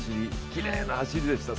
きれいな走りでした。